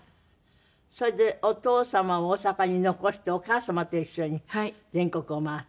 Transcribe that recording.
それでお父様を大阪に残してお母様と一緒に全国を回った？